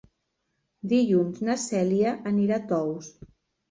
Dilluns na Cèlia anirà a Tous.